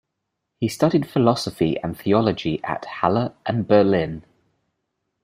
He studied philosophy and theology at Halle and Berlin.